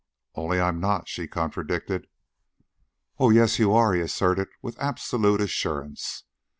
"Only I'm not," she contradicted. "Oh, yes you are," he asserted with absolute assurance.